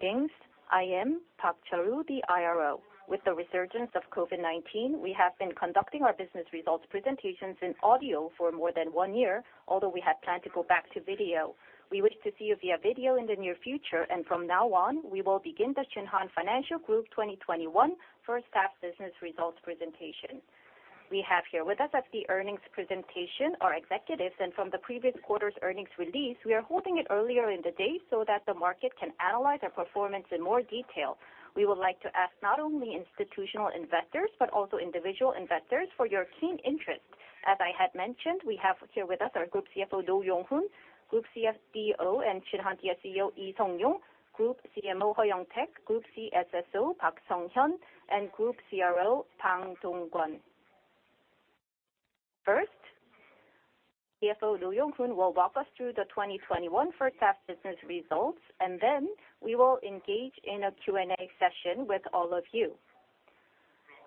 Greetings. I am Park Cheol Woo, the IRO. With the resurgence of COVID-19, we have been conducting our business results presentations in audio for more than one year, although we had planned to go back to video. We wish to see you via video in the near future. From now on, we will begin the Shinhan Financial Group 2021 First Half Business Results Presentation. We have here with us at the earnings presentation our executives and from the previous quarter's earnings release, we are holding it earlier in the day so that the market can analyze our performance in more detail. We would like to ask not only institutional investors, but also individual investors for your keen interest. As I had mentioned, we have here with us our Group CFO, Roh Yong-hoon, Group CDO and Shinhan Life CEO, Lee Seong-yong, Group CMO, Heo Young-taek, Group CSSO, Park Sung-hyun, and Group CRO, Bang Dong-kwon. CFO Roh Yong-hoon will walk us through the 2021 first half business results, and then we will engage in a Q&A session with all of you.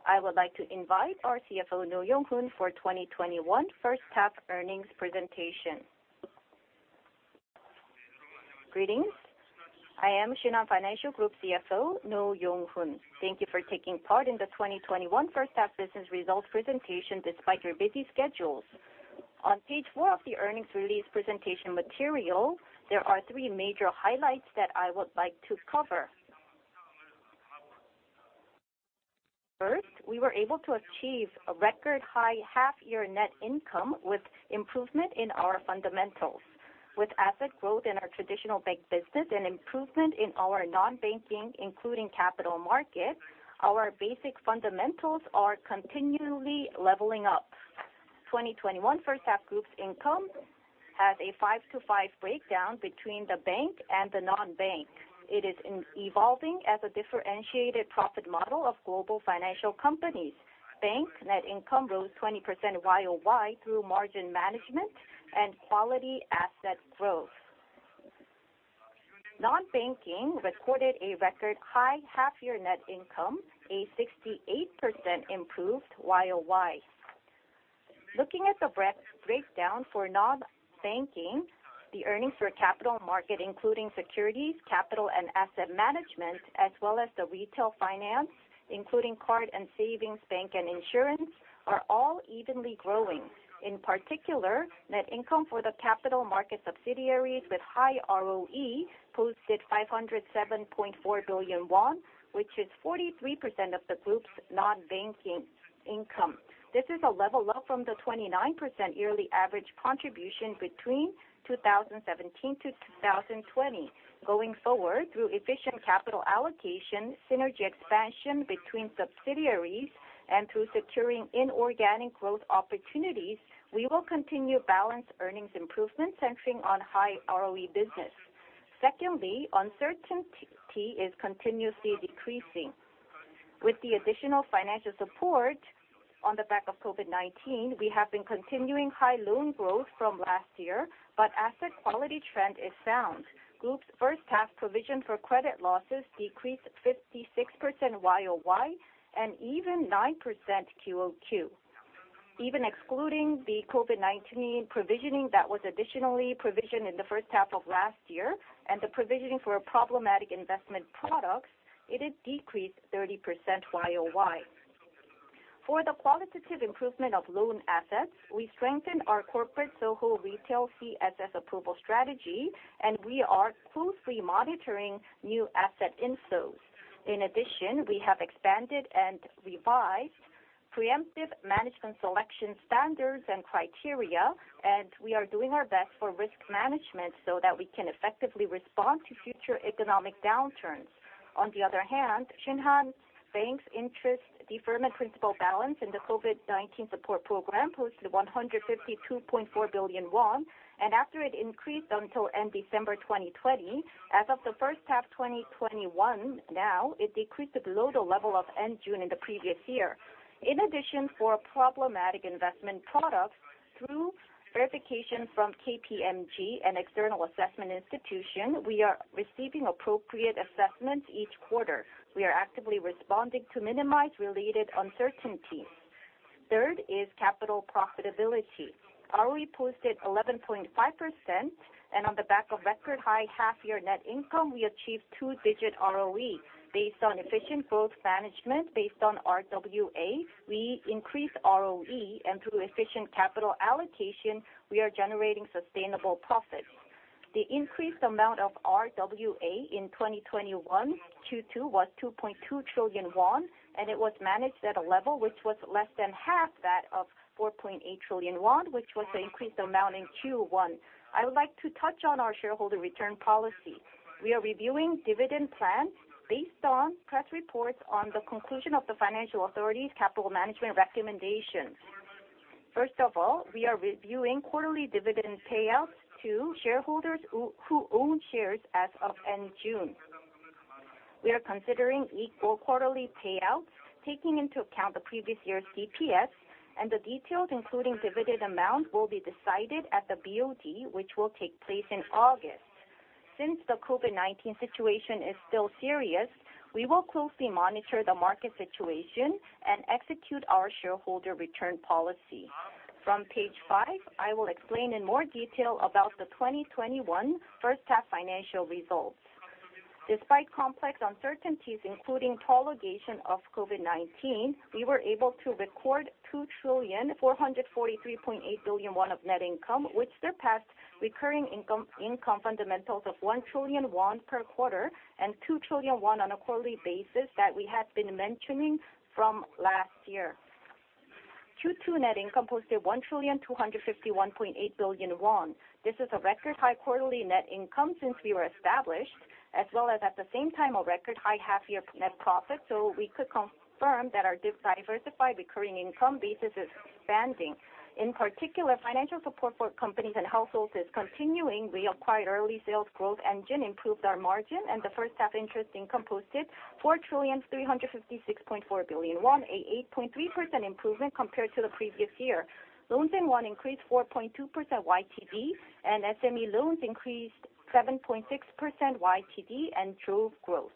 I would like to invite our CFO, Roh Yong-hoon, for 2021 first half earnings presentation. Greetings. I am Shinhan Financial Group CFO, Roh Yong-hoon. Thank you for taking part in the 2021 first half business results presentation despite your busy schedules. On page 4 of the earnings release presentation material, there are 3 major highlights that I would like to cover. We were able to achieve a record high half-year net income with improvement in our fundamentals. With asset growth in our traditional bank business and improvement in our non-banking, including capital market, our basic fundamentals are continually leveling up. 2021 first half group's income has a 5-to-5 breakdown between the bank and the non-bank. It is evolving as a differentiated profit model of global financial companies. Bank net income rose 20% YoY through margin management and quality asset growth. Non-banking recorded a record high half-year net income, a 68% improved YoY. Looking at the breakdown for non-banking, the earnings for capital market, including securities, capital and asset management, as well as the retail finance, including card and savings bank and insurance, are all evenly growing. In particular, net income for the capital market subsidiaries with high ROE posted 507.4 billion won, which is 43% of the group's non-banking income. This is a level up from the 29% yearly average contribution between 2017-2020. Going forward, through efficient capital allocation, synergy expansion between subsidiaries, and through securing inorganic growth opportunities, we will continue balanced earnings improvements centering on high ROE business. Secondly, uncertainty is continuously decreasing. With the additional financial support on the back of COVID-19, we have been continuing high loan growth from last year, but asset quality trend is sound. Group's first half provision for credit losses decreased 56% YoY and even 9% QoQ. Even excluding the COVID-19 provisioning that was additionally provisioned in the first half of last year and the provisioning for problematic investment products, it has decreased 30% YoY. For the qualitative improvement of loan assets, we strengthened our corporate SOHO retail CSS approval strategy, and we are closely monitoring new asset inflows. We have expanded and revised preemptive management selection standards and criteria, and we are doing our best for risk management so that we can effectively respond to future economic downturns. Shinhan Bank's interest deferment principal balance in the COVID-19 support program posted 152.4 billion won, and after it increased until end December 2020, as of the first half 2021 now, it decreased below the level of end June in the previous year. For problematic investment products through verification from KPMG, an external assessment institution, we are receiving appropriate assessments each quarter. We are actively responding to minimize related uncertainties. Third is capital profitability. ROE posted 11.5%, and on the back of record high half-year net income, we achieved two-digit ROE. Based on efficient growth management, based on RWA, we increased ROE, and through efficient capital allocation, we are generating sustainable profits. The increased amount of RWA in 2021 Q2 was 2.2 trillion won, and it was managed at a level which was less than half that of 4.8 trillion won, which was the increased amount in Q1. I would like to touch on our shareholder return policy. We are reviewing dividend plans based on press reports on the conclusion of the financial authority's capital management recommendations. First of all, we are reviewing quarterly dividend payouts to shareholders who own shares as of end June. We are considering equal quarterly payouts taking into account the previous year's DPS, and the details, including dividend amount, will be decided at the BOD, which will take place in August. Since the COVID-19 situation is still serious, we will closely monitor the market situation and execute our shareholder return policy. From page 5, I will explain in more detail about the 2021 first half financial results. Despite complex uncertainties, including prolongation of COVID-19, we were able to record 2,443.8 billion won of net income, which surpassed recurring income fundamentals of 1 trillion won per quarter and 2 trillion won on a quarterly basis that we had been mentioning from last year. Q2 net income posted 1,251.8 billion won. This is a record high quarterly net income since we were established, as well as at the same time, a record high half-year net profit. We could confirm that our diversified recurring income basis is expanding. In particular, financial support for companies and households is continuing. We acquired early sales growth engine, improved our margin, and the first half interest income posted 4,356.4 billion won, a 8.3% improvement compared to the previous year. Loans and won increased 4.2% YTD, and SME loans increased 7.6% YTD and drove growth.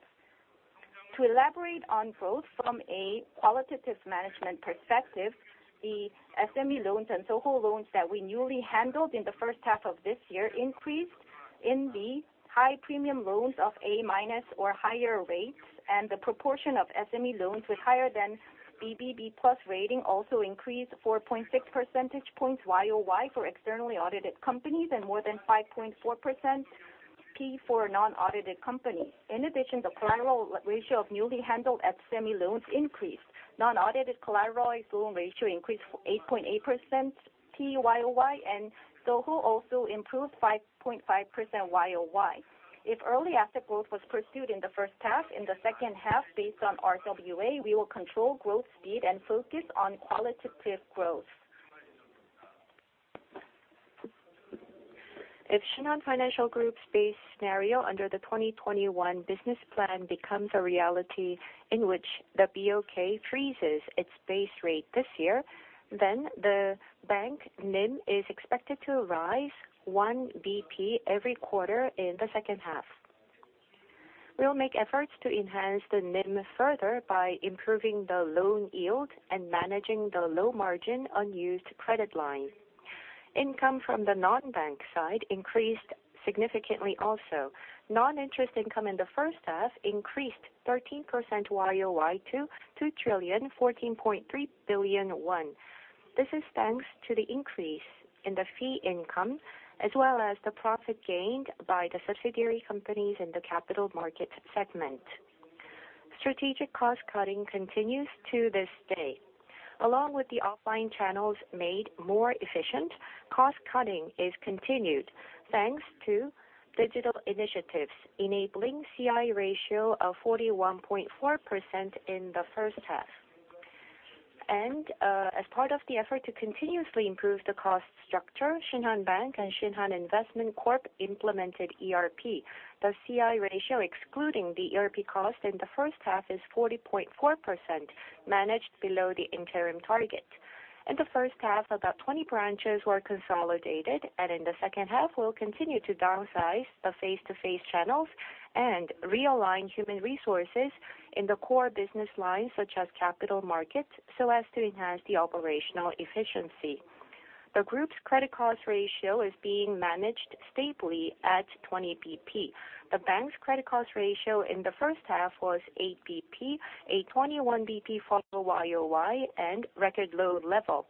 To elaborate on growth from a qualitative management perspective, the SME loans and SOHO loans that we newly handled in the first half of this year increased in the high premium loans of A- or higher rates, and the proportion of SME loans with higher than BBB+ rating also increased 4.6 percentage points YoY for externally audited companies and more than 5.4 percentage points for non-audited company. The collateral ratio of newly handled SME loans increased. Non-audited collateralized loan ratio increased 8.8% YoY and SOHO also improved 5.5% YoY. If early asset growth was pursued in the first half, in the second half, based on RWA, we will control growth speed and focus on qualitative growth. If Shinhan Financial Group's base scenario under the 2021 business plan becomes a reality in which the BOK freezes its base rate this year, then the bank NIM is expected to rise 1 BP every quarter in the second half. We will make efforts to enhance the NIM further by improving the loan yield and managing the low margin unused credit line. Income from the non-bank side increased significantly also. Non-interest income in the first half increased 13% YoY to 2,014.3 billion. This is thanks to the increase in the fee income, as well as the profit gained by the subsidiary companies in the capital market segment. Strategic cost-cutting continues to this day. Along with the offline channels made more efficient, cost-cutting is continued, thanks to digital initiatives enabling CI ratio of 41.4% in the first half. As part of the effort to continuously improve the cost structure, Shinhan Bank and Shinhan Investment Corp. implemented ERP. The CI ratio, excluding the ERP cost in the first half, is 40.4%, managed below the interim target. In the first half, about 20 branches were consolidated, and in the second half, we'll continue to downsize the face-to-face channels and realign human resources in the core business lines, such as capital markets, so as to enhance the operational efficiency. The group's credit cost ratio is being managed stably at 20 BP. The bank's credit cost ratio in the first half was 8 BP, a 21 BP fall YoY and record low level.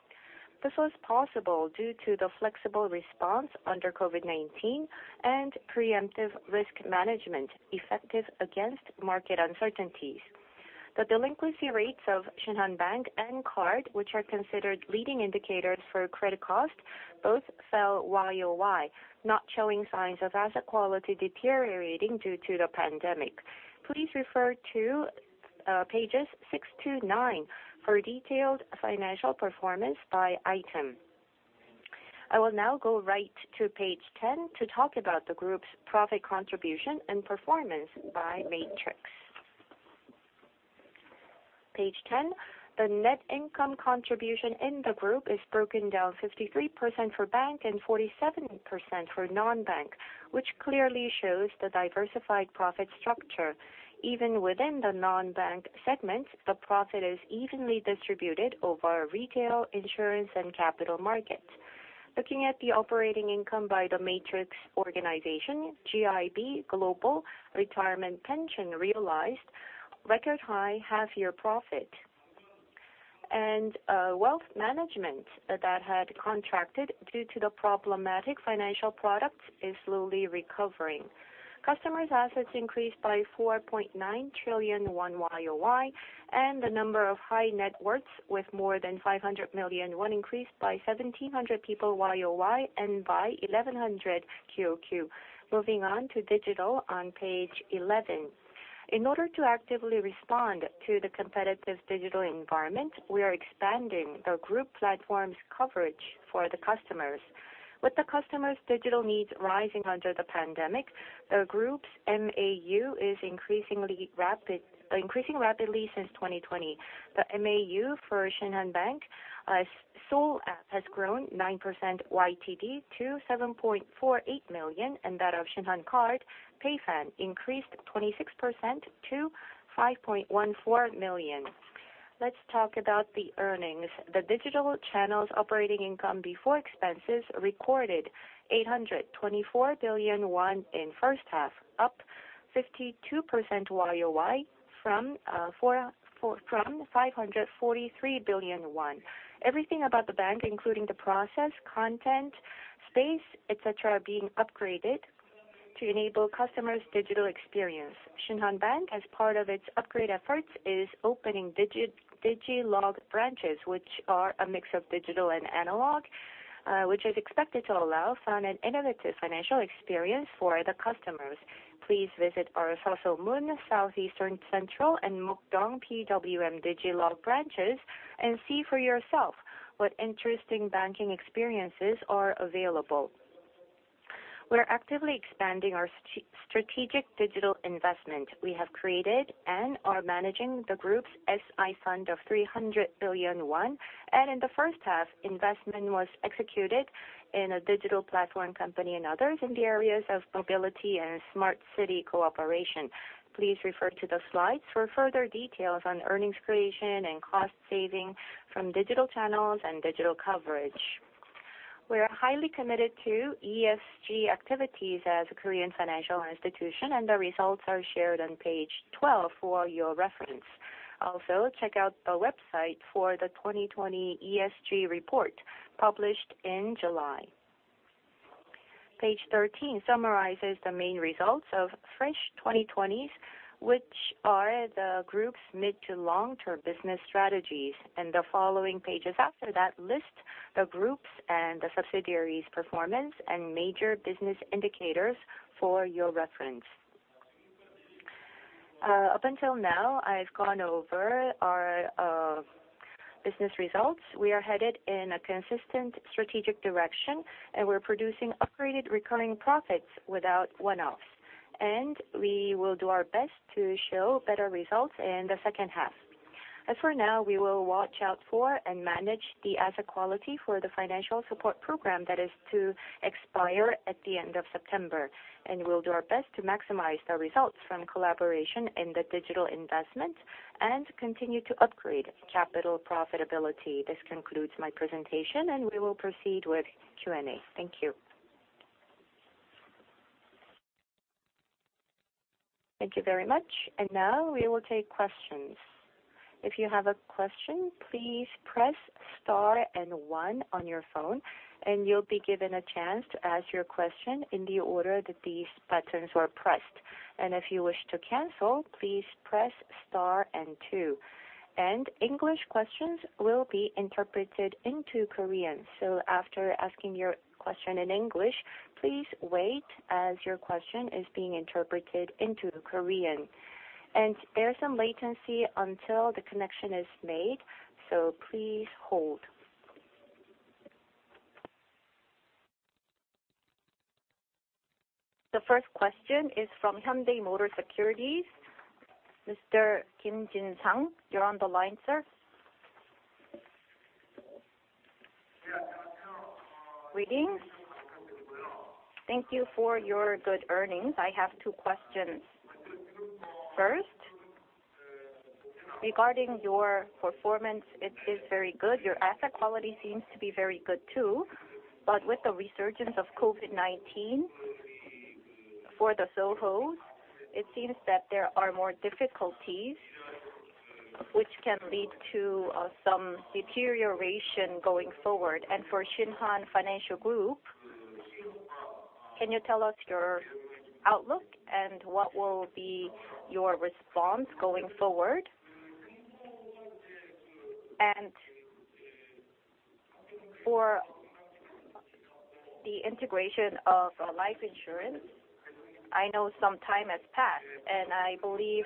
This was possible due to the flexible response under COVID-19 and preemptive risk management effective against market uncertainties. The delinquency rates of Shinhan Bank and Shinhan Card, which are considered leading indicators for credit cost, both fell YoY, not showing signs of asset quality deteriorating due to the pandemic. Please refer to pages 6 to 9 for detailed financial performance by item. I will now go right to page 10 to talk about the group's profit contribution and performance by matrix. Page 10, the net income contribution in the group is broken down 53% for bank and 47% for non-bank, which clearly shows the diversified profit structure. Even within the non-bank segment, the profit is evenly distributed over retail, insurance, and capital markets. Looking at the operating income by the matrix organization, GIB, Global Retirement Pension realized record high half-year profit. Wealth management that had contracted due to the problematic financial products is slowly recovering. Customers assets increased by 4.9 trillion won YoY, and the number of high net worths with more than 500 million won increased by 1,700 people YoY and by 1,100 QoQ. Moving on to digital on page 11. In order to actively respond to the competitive digital environment, we are expanding the group platform's coverage for the customers. With the customer's digital needs rising under the pandemic, the group's MAU is increasing rapidly since 2020. The MAU for Shinhan Bank SOL app has grown 9% YTD to 7.48 million, and that of Shinhan Card, Shinhan PayFAN, increased 26% to 5.14 million. Let's talk about the earnings. The digital channels operating income before expenses recorded 824 billion won in first half, up 52% YoY from 543 billion won. Everything about the bank, including the process, content, space, et cetera, are being upgraded to enable customers' digital experience. Shinhan Bank, as part of its upgrade efforts, is opening Digilog branches, which are a mix of digital and analog, which is expected to allow fun and innovative financial experience for the customers. Please visit our Seosomun, Namdong Central Financial Center, and Mokdong PWM Digilog branches and see for yourself what interesting banking experiences are available. We are actively expanding our strategic digital investment. We have created and are managing the group's SI fund of 300 billion won, and in the first half, investment was executed in a digital platform company and others in the areas of mobility and smart city cooperation. Please refer to the slides for further details on earnings creation and cost-saving from digital channels and digital coverage. We are highly committed to ESG activities as a Korean financial institution, and the results are shared on page 12 for your reference. Also, check out the website for the 2020 ESG report published in July. Page 13 summarizes the main results of F.R.E.S.H. 2020s, which are the group's mid to long-term business strategies, and the following pages after that list the groups and the subsidiaries' performance and major business indicators for your reference. Up until now, I've gone over our business results. We are headed in a consistent strategic direction, and we're producing upgraded recurring profits without one-offs. We will do our best to show better results in the second half. As for now, we will watch out for and manage the asset quality for the financial support program that is to expire at the end of September, and we'll do our best to maximize the results from collaboration in the digital investment and continue to upgrade capital profitability. This concludes my presentation, and we will proceed with Q&A. Thank you. Thank you very much. Now we will take questions. If you have a question, please press star and one on your phone, and you'll be given a chance to ask your question in the order that these buttons were pressed. If you wish to cancel, please press star and two. English questions will be interpreted into Korean. After asking your question in English, please wait as your question is being interpreted into Korean. There's some latency until the connection is made, so please hold. The first question is from Hyundai Motor Securities. Mr. Kim Jin-sang, you're on the line, sir. Yeah. Greetings. Thank you for your good earnings. I have two questions. First, regarding your performance, it is very good. Your asset quality seems to be very good, too. With the resurgence of COVID-19, for the SOHO, it seems that there are more difficulties which can lead to some deterioration going forward. For Shinhan Financial Group, can you tell us your outlook and what will be your response going forward? For the integration of life insurance, I know some time has passed, and I believe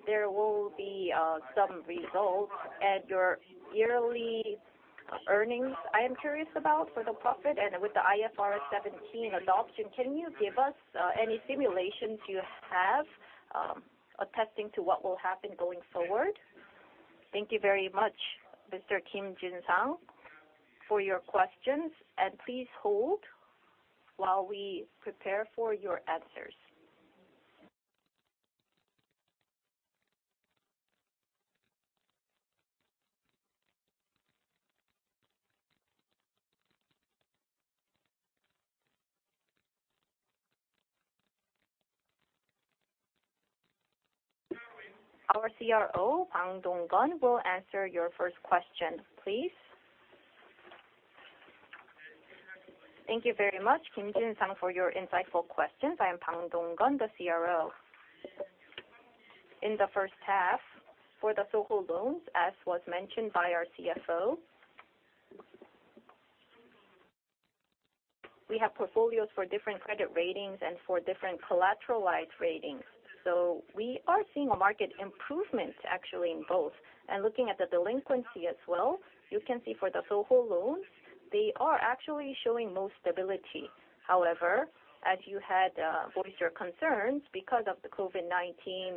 that there will be some results and your yearly earnings, I am curious about for the profit. With the IFRS 17 adoption, can you give us any simulations you have attesting to what will happen going forward? Thank you very much, Mr. Kim Jin-sang, for your questions. Please hold while we prepare for your answers. Our CRO, Bang Dong-kwon, will answer your first question, please. Thank you very much, Kim Jin-sang, for your insightful questions. I am Bang Dong-kwon, the CRO. In the first half, for the SOHO loans, as was mentioned by our CFO, we have portfolios for different credit ratings and for different collateralized ratings. We are seeing a market improvement, actually, in both. Looking at the delinquency as well, you can see for the SOHO loans, they are actually showing more stability. However, as you had voiced your concerns because of the COVID-19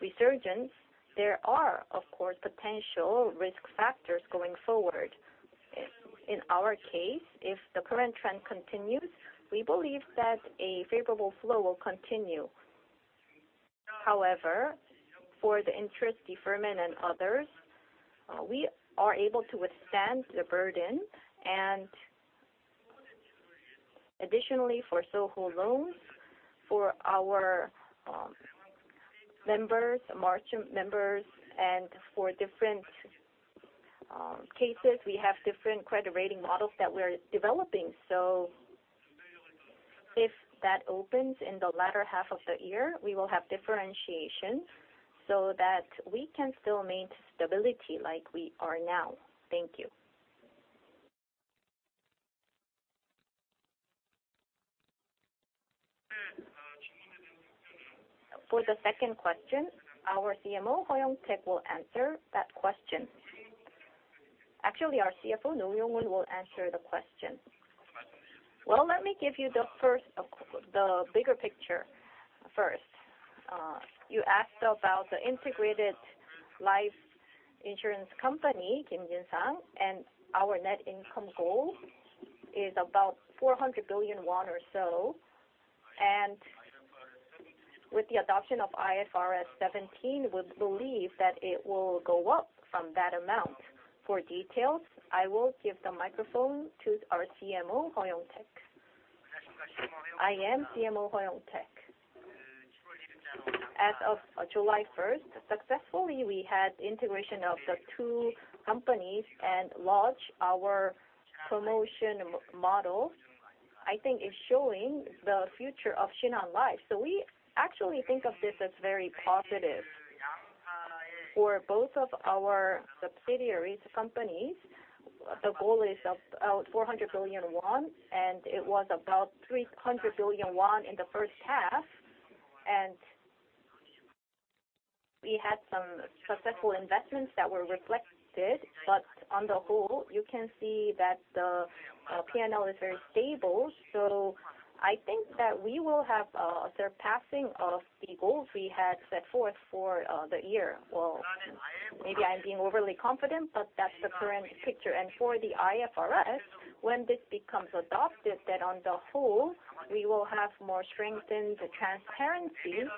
resurgence, there are, of course, potential risk factors going forward. In our case, if the current trend continues, we believe that a favorable flow will continue. However, for the interest deferment and others, we are able to withstand the burden. Additionally, for SOHO loans, for our merchant members, and for different cases, we have different credit rating models that we're developing. If that opens in the latter half of the year, we will have differentiation so that we can still maintain stability like we are now. Thank you. For the second question, our CMO, Heo Young-taek, will answer that question. Actually, our CFO, Roh Yong-hoon, will answer the question. Well, let me give you the bigger picture first. You asked about the integrated life insurance company, Kim Jin-sang, and our net income goal is about 400 billion won or so. With the adoption of IFRS 17, we believe that it will go up from that amount. For details, I will give the microphone to our CMO, Heo Young-taek. I am CMO Heo Young-taek. As of July 1st, successfully, we had integration of the two companies and launched our promotion model. I think it's showing the future of Shinhan Life. We actually think of this as very positive. For both of our subsidiary companies, the goal is about 400 billion won, and it was about 300 billion won in the first half. We had some successful investments that were reflected, but on the whole, you can see that the P&L is very stable. I think that we will have a surpassing of the goals we had set forth for the year. Well, maybe I'm being overly confident, but that's the current picture. For the IFRS, when this becomes adopted, then on the whole, we will have more strength in the transparency,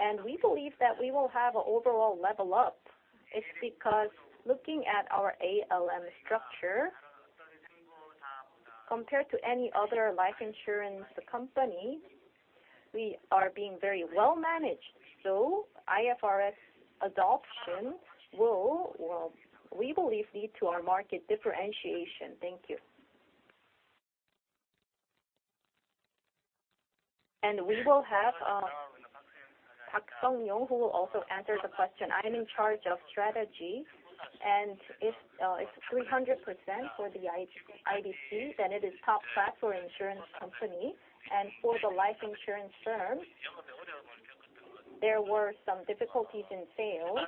and we believe that we will have an overall level up. It's because looking at our ALM structure, compared to any other life insurance company, we are being very well-managed. IFRS adoption will, we believe, lead to our market differentiation. Thank you. We will have Park Sung-hyun who will also answer the question. I am in charge of strategy, if it's 300% for the RBC, then it is top class for insurance companies. For the life insurance term, there were some difficulties in sales,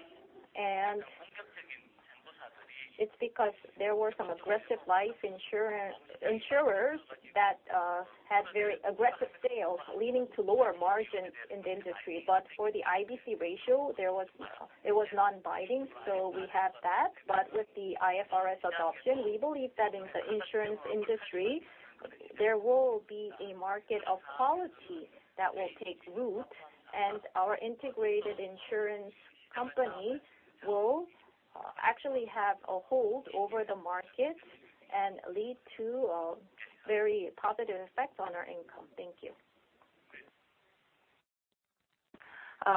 it's because there were some aggressive life insurers that had very aggressive sales, leading to lower margins in the industry. For the RBC ratio, it was non-binding, we have that. With the IFRS adoption, we believe that in the insurance industry, there will be a market of quality that will take root, our integrated insurance company will actually have a hold over the market and lead to a very positive effect on our income. Thank you.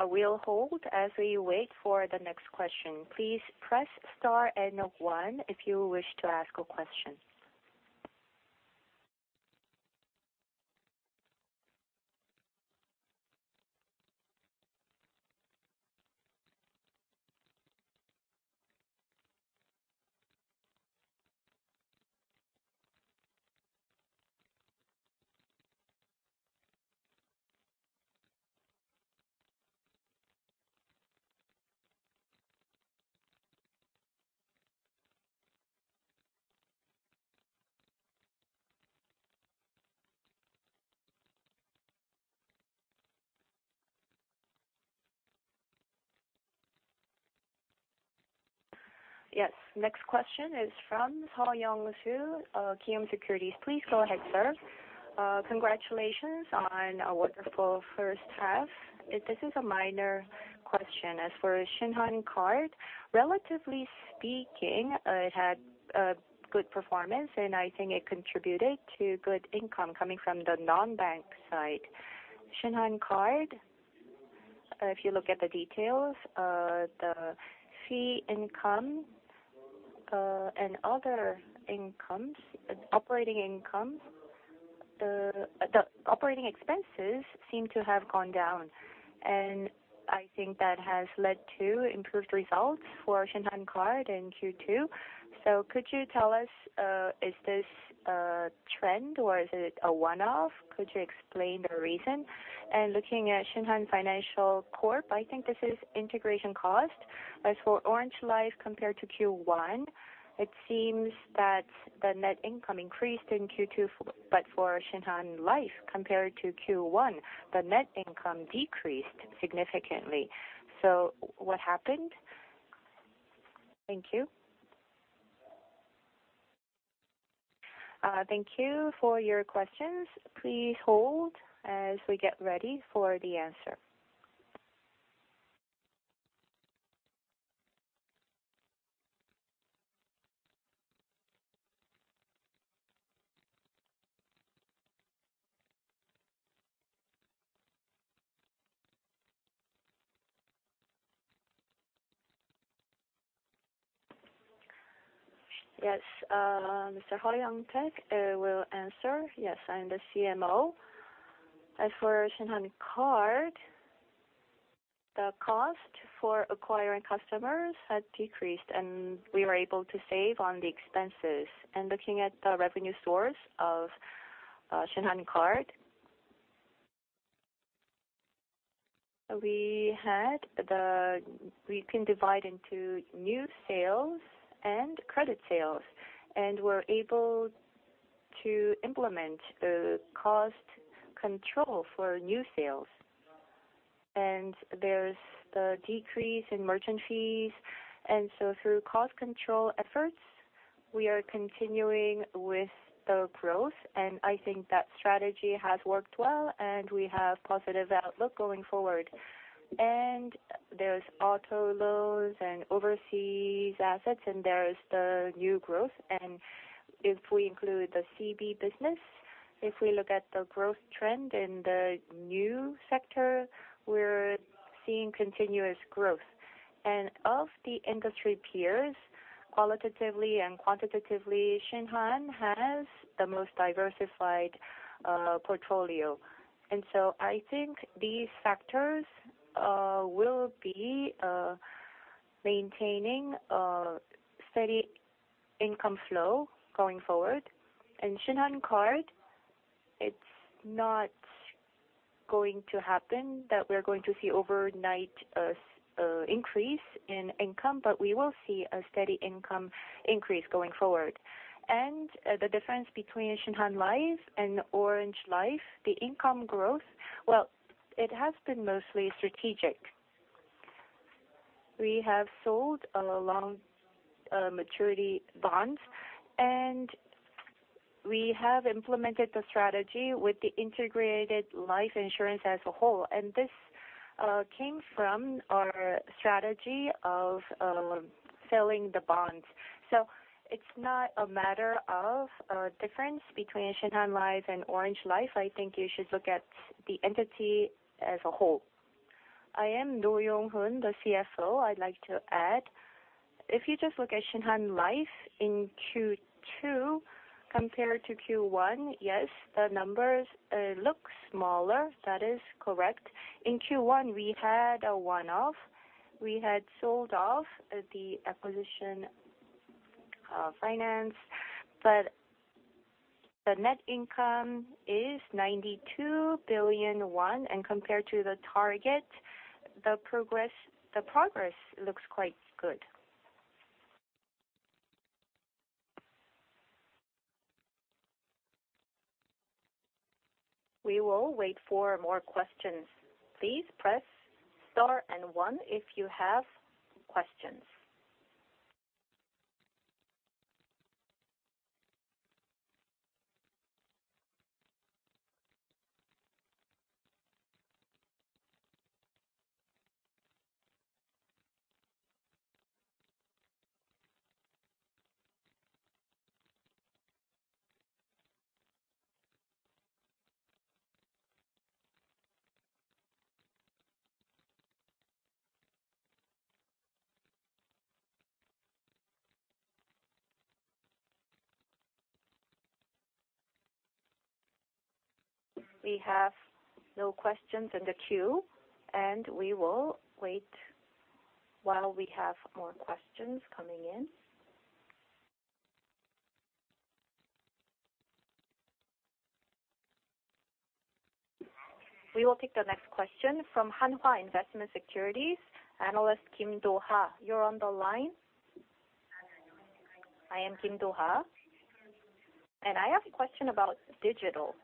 We'll hold as we wait for the next question. Please press star and one if you wish to ask a question. Yes, next question is from Seo Young-soo, Kiwoom Securities. Please go ahead, sir. Congratulations on a wonderful first half. This is a minor question. As for Shinhan Card, relatively speaking, it had a good performance, and I think it contributed to good income coming from the non-bank side. Shinhan Card, if you look at the details, the fee income and other incomes, operating incomes, the operating expenses seem to have gone down, and I think that has led to improved results for Shinhan Card in Q2. Could you tell us, is this a trend, or is it a one-off? Could you explain the reason? Looking at Shinhan Financial Group, I think this is integration cost. As for Orange Life compared to Q1, it seems that the net income increased in Q2, but for Shinhan Life, compared to Q1, the net income decreased significantly. What happened? Thank you. Thank you for your questions. Please hold as we get ready for the answer. Yes, Mr. Heo Young-taek will answer. Yes, I am the CMO. As for Shinhan Card, the cost for acquiring customers had decreased, and we were able to save on the expenses. Looking at the revenue source of Shinhan Card, we can divide into new sales and credit sales, and we're able to implement the cost control for new sales. There's the decrease in merchant fees. Through cost control efforts, we are continuing with the growth, and I think that strategy has worked well, and we have positive outlook going forward. There's auto loans and overseas assets, there is the new growth. If we include the CB business, if we look at the growth trend in the new sector, we're seeing continuous growth. Of the industry peers, qualitatively and quantitatively, Shinhan has the most diversified portfolio. I think these factors will be maintaining a steady income flow going forward. In Shinhan Card, it's not going to happen that we're going to see overnight increase in income, but we will see a steady income increase going forward. The difference between Shinhan Life and Orange Life, the income growth, well, it has been mostly strategic. We have sold long maturity bonds, and we have implemented the strategy with the integrated life insurance as a whole, and this came from our strategy of selling the bonds. It's not a matter of a difference between Shinhan Life and Orange Life. I think you should look at the entity as a whole. I am Roh Yong-hoon, the CFO. I'd like to add, if you just look at Shinhan Life in Q2 compared to Q1, yes, the numbers look smaller. That is correct. In Q1, we had a one-off. We had sold off the acquisition finance, but the net income is 92 billion won, and compared to the target, the progress looks quite good. We will wait for more questions. Please press star 1 if you have questions. We have no questions in the queue, and we will wait while we have more questions coming in. We will take the next question from Hanwha Investment & Securities, analyst Kim Do Ha. You're on the line. I am Kim Do Ha, and I have a question about digital.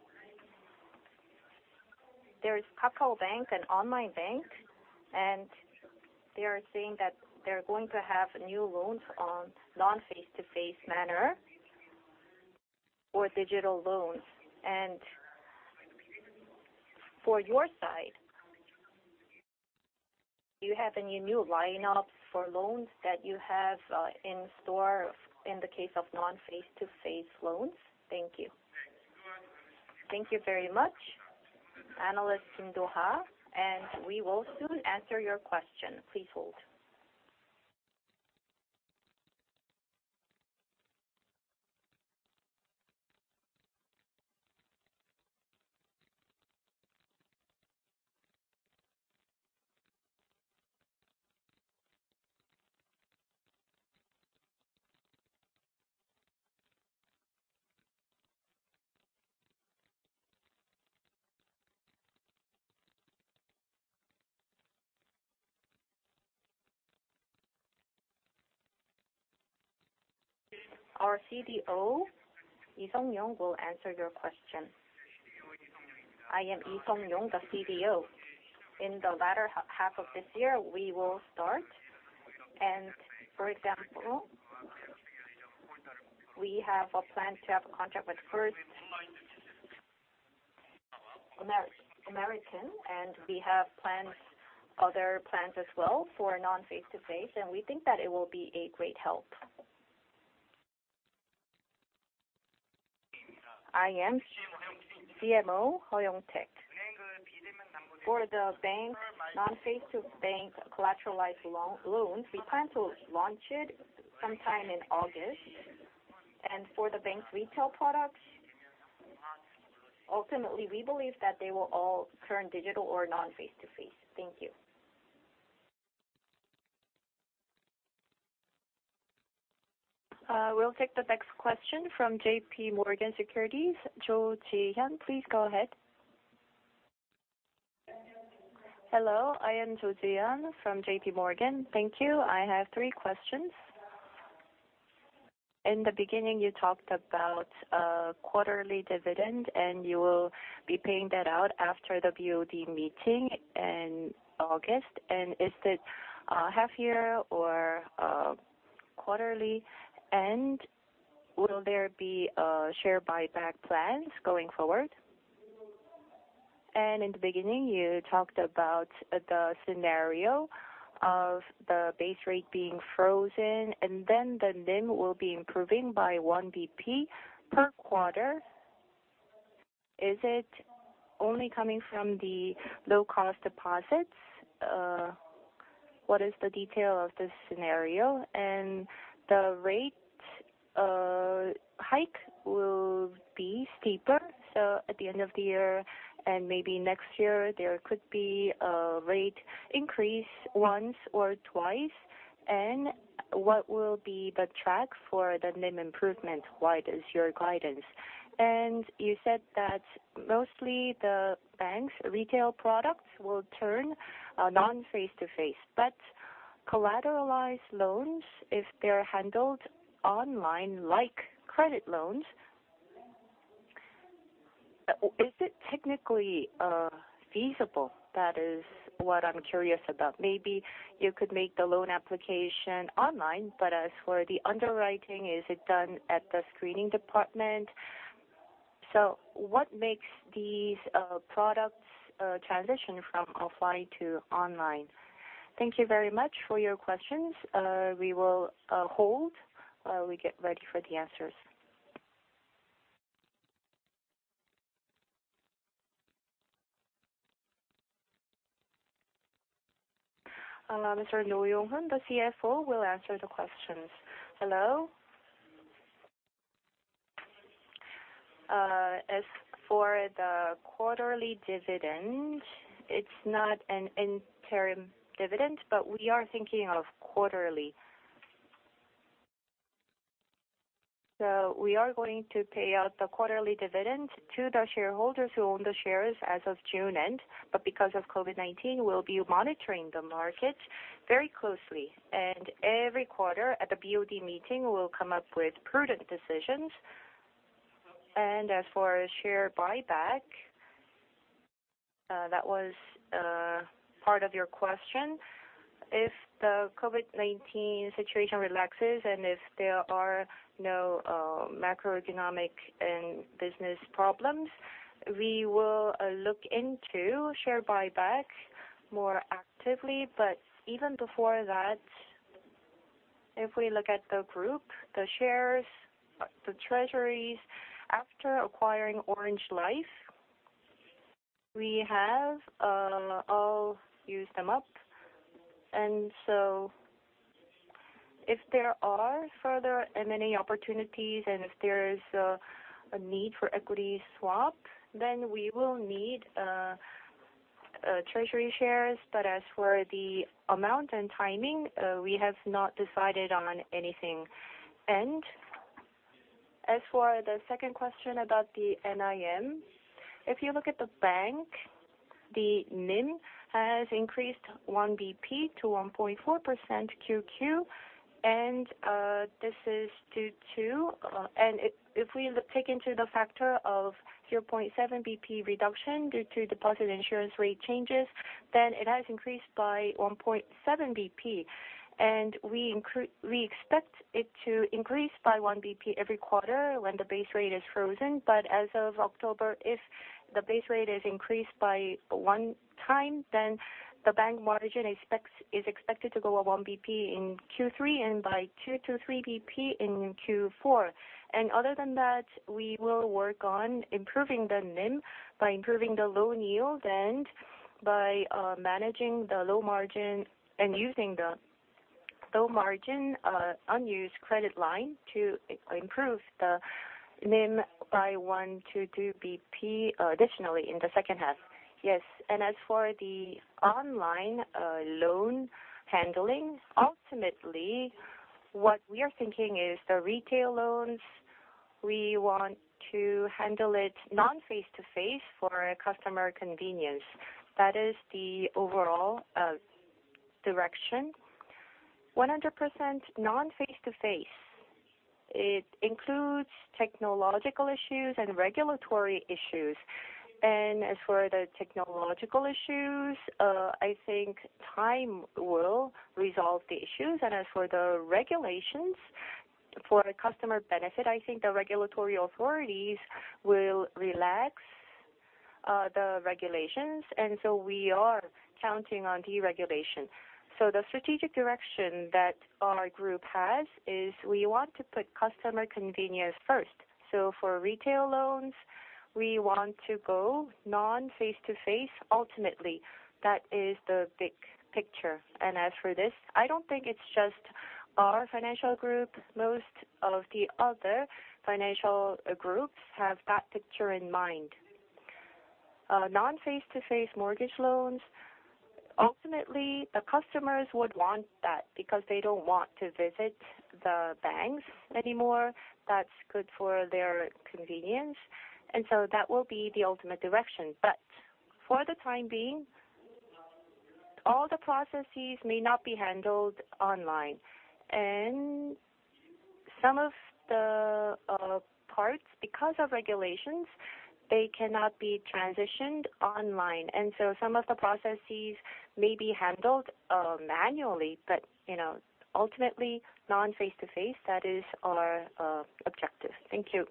There is KakaoBank, an online bank, and they are saying that they're going to have new loans on non-face-to-face manner or digital loans. For your side, do you have any new lineups for loans that you have in store in the case of non-face-to-face loans? Thank you. Thank you very much, Analyst Kim Do Ha. We will soon answer your question. Please hold. Our CDO, Lee Seong-yong, will answer your question. I am Lee Seong-yong, the CDO. In the latter half of this year, we will start. For example, we have a plan to have a contract with First American, and we have other plans as well for non-face-to-face, and we think that it will be a great help. I am CMO Heo Young-taek. For the bank non-face-to-bank collateralized loans, we plan to launch it sometime in August. For the bank retail products, ultimately, we believe that they will all turn digital or non-face-to-face. Thank you. We'll take the next question from J.P. Morgan Securities. Jo Ji-hyun, please go ahead. Hello, I am Jo Ji-hyun from J.P. Morgan. Thank you. I have three questions. In the beginning, you talked about a quarterly dividend, and you will be paying that out after the BOD meeting in August. Is it half-yearly or quarterly? Will there be share buyback plans going forward? In the beginning, you talked about the scenario of the base rate being frozen, and then the NIM will be improving by 1 BP per quarter. Is it only coming from the low-cost deposits? What is the detail of this scenario? The rate hike will be steeper, so at the end of the year and maybe next year, there could be a rate increase once or twice. What will be the track for the NIM improvement? What is your guidance? You said that mostly the bank's retail products will turn non-face-to-face. Collateralized loans, if they're handled online like credit loans, is it technically feasible? That is what I'm curious about. Maybe you could make the loan application online, but as for the underwriting, is it done at the screening department? What makes these products transition from offline to online? Thank you very much for your questions. We will hold while we get ready for the answers. Mr. Roh Yong-hoon, the CFO, will answer the questions. Hello. As for the quarterly dividend, it's not an interim dividend, but we are thinking of quarterly. We are going to pay out the quarterly dividend to the shareholders who own the shares as of June end. Because of COVID-19, we'll be monitoring the market very closely. Every quarter at the BOD meeting, we will come up with prudent decisions. As for share buyback, that was part of your question. If the COVID-19 situation relaxes and if there are no macroeconomic and business problems, we will look into share buybacks more actively. Even before that, if we look at the group, the shares, the treasuries, after acquiring Orange Life, we have all used them up. If there are further M&A opportunities and if there is a need for equity swap, then we will need treasury shares. As for the amount and timing, we have not decided on anything. As for the second question about the NIM, if you look at the bank, the NIM has increased 1 BP to 1.4% QoQ. If we take into the factor of 0.7 BP reduction due to deposit insurance rate changes, then it has increased by 1.7 BP. We expect it to increase by 1 BP every quarter when the base rate is frozen. As of October, if the base rate is increased by 1 time, then the NIM is expected to go up 1 BP in Q3 and by 2-3 BP in Q4. Other than that, we will work on improving the NIM by improving the loan yield and by managing the low margin and using the low margin unused credit line to improve the NIM by 1-2 BP additionally in the second half. Yes. As for the online loan handling, ultimately, what we are thinking is the retail loans. We want to handle it non-face-to-face for customer convenience. That is the overall direction. 100% non-face-to-face. It includes technological issues and regulatory issues. As for the technological issues, I think time will resolve the issues. As for the regulations, for customer benefit, I think the regulatory authorities will relax the regulations. We are counting on deregulation. The strategic direction that our group has is we want to put customer convenience first. For retail loans, we want to go non-face-to-face ultimately. That is the big picture. As for this, I don't think it's just our financial group. Most of the other financial groups have that picture in mind. Non-face-to-face mortgage loans, ultimately, the customers would want that because they don't want to visit the banks anymore. That's good for their convenience. That will be the ultimate direction. For the time being, all the processes may not be handled online. Some of the parts, because of regulations, they cannot be transitioned online. Some of the processes may be handled manually, but ultimately non-face-to-face, that is our objective. Thank you.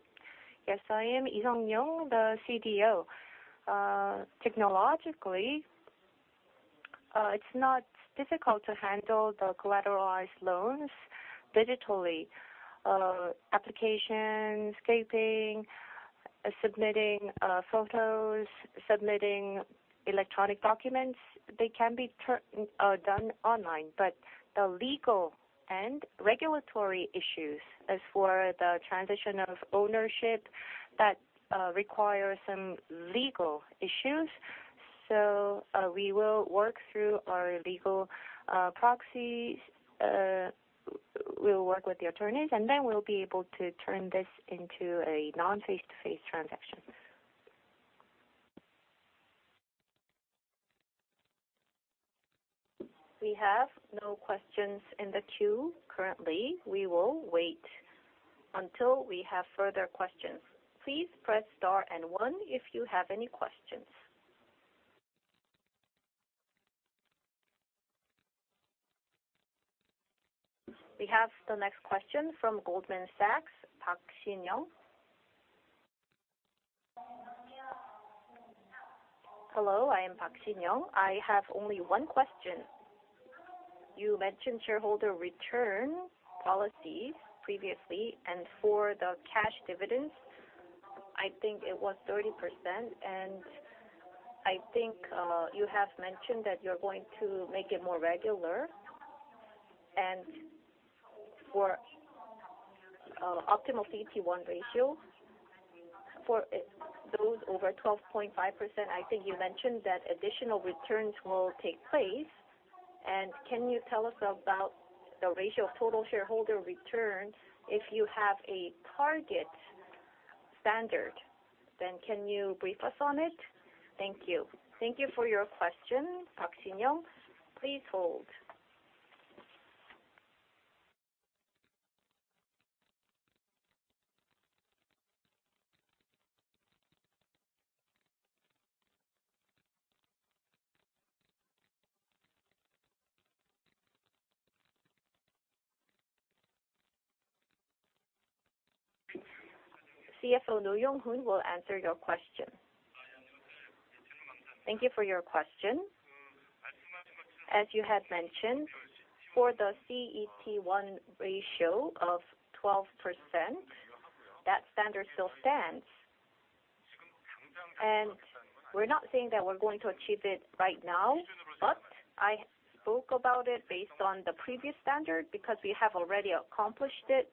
Yes, I am Lee Seong-yong, the CDO. Technologically, it's not difficult to handle the collateralized loans digitally. Applications, scraping, submitting photos, submitting electronic documents, they can be done online. The legal and regulatory issues, as for the transition of ownership, that requires some legal issues. We will work through our legal proxies. We'll work with the attorneys, and then we'll be able to turn this into a non-face-to-face transaction. We have no questions in the queue currently. We will wait until we have further questions. Please press star and one if you have any questions. We have the next question from Goldman Sachs, Park Shin-young. Hello, I am Park Shin-young. I have only one question. You mentioned shareholder return policies previously, and for the cash dividends, I think it was 30%, and I think you have mentioned that you're going to make it more regular. For optimal CET1 ratio for those over 12.5%, I think you mentioned that additional returns will take place. Can you tell us about the ratio of total shareholder return if you have a target standard, then can you brief us on it? Thank you. Thank you for your question, Park Shin-young. Please hold. CFO Roh Yong-hoon will answer your question. Thank you for your question. As you had mentioned, for the CET1 ratio of 12%, that standard still stands. We're not saying that we're going to achieve it right now, but I spoke about it based on the previous standard because we have already accomplished it.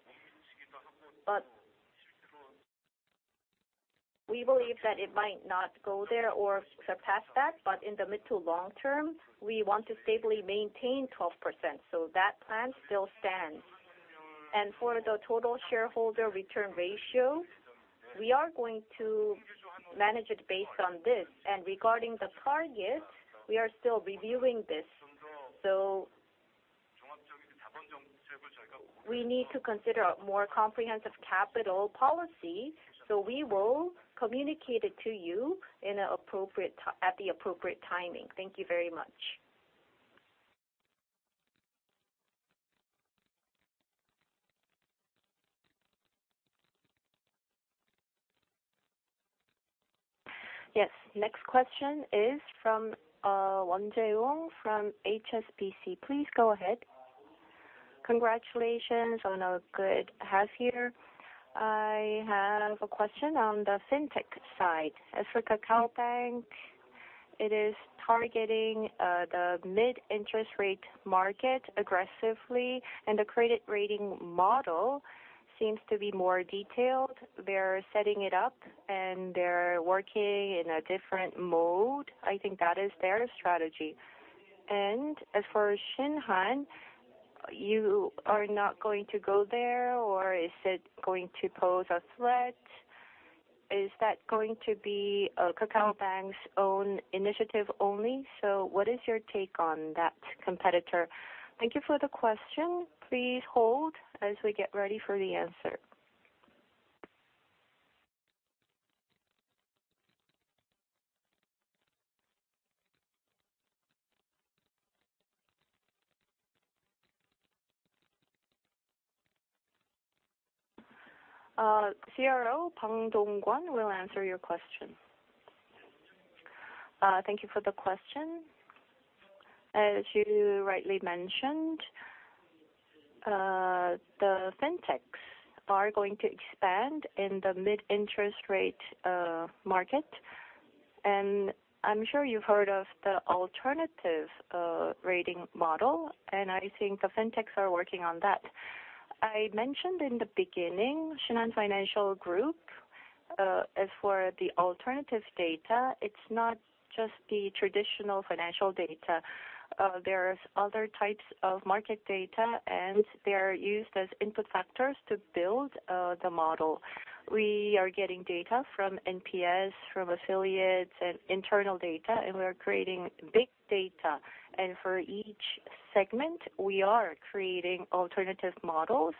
We believe that it might not go there or surpass that, but in the mid to long term, we want to stably maintain 12%, that plan still stands. For the total shareholder return ratio, we are going to manage it based on this. Regarding the target, we are still reviewing this. We need to consider a more comprehensive capital policy, we will communicate it to you at the appropriate timing. Thank you very much. Yes. Next question is from Won Jae Woong from HSBC. Please go ahead. Congratulations on a good half year. I have a question on the fintech side. As for KakaoBank, it is targeting the mid-interest rate market aggressively, and the credit rating model seems to be more detailed. They're setting it up, and they're working in a different mode. I think that is their strategy. As for Shinhan, you are not going to go there, or is it going to pose a threat? Is that going to be KakaoBank's own initiative only? What is your take on that competitor? Thank you for the question. Please hold as we get ready for the answer. CRO Bang Dong-kwon will answer your question. Thank you for the question. As you rightly mentioned, the fintechs are going to expand in the mid-interest rate market. I'm sure you've heard of the alternative rating model, and I think the fintechs are working on that. I mentioned in the beginning, Shinhan Financial Group, as for the alternative data, it is not just the traditional financial data. There are other types of market data, and they are used as input factors to build the model. We are getting data from NPS, from affiliates, and internal data, and we are creating big data. For each segment, we are creating alternative models.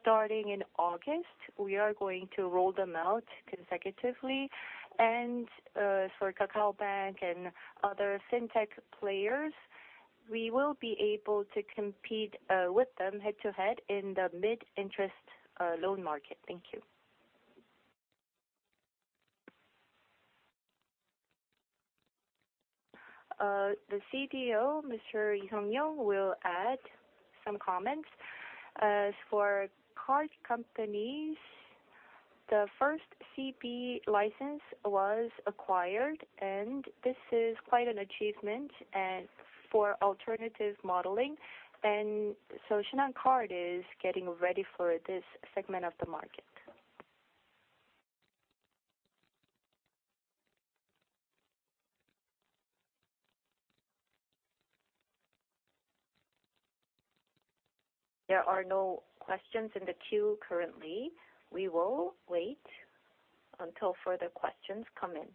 Starting in August, we are going to roll them out consecutively. For KakaoBank and other fintech players, we will be able to compete with them head-to-head in the mid-interest loan market. Thank you. The CDO, Mr. Lee Seong-yong, will add some comments. As for card companies, the first CB license was acquired, and this is quite an achievement for alternative modeling. Shinhan Card is getting ready for this segment of the market. There are no questions in the queue currently. We will wait until further questions come in.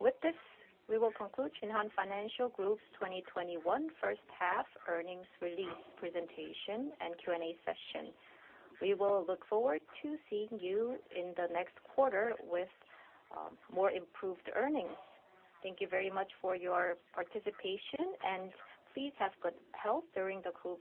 With this, we will conclude Shinhan Financial Group's 2021 First-Half Earnings Release Presentation and Q&A Session. We will look forward to seeing you in the next quarter with more improved earnings. Thank you very much for your participation, and please have good health during the COVID-19.